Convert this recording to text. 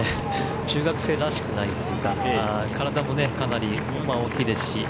中学生らしくないというか体もかなり大きいですし。